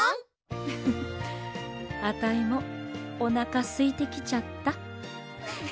ウフフあたいもおなかすいてきちゃった。